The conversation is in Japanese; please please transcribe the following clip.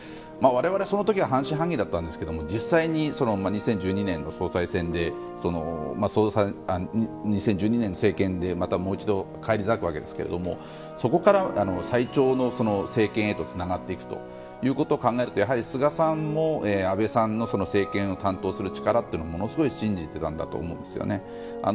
私は、その時は半信半疑だったんですが、実際に２０１２年の政権でまたもう一度返り咲くわけですけどもそこから最長の政権へとつながっていくということを考えると菅さんも安倍さんの政権を担当する力というのをものすごい信じていたんだと思うんですよね。